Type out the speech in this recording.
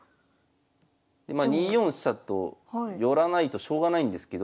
まあ２四飛車と寄らないとしょうがないんですけど。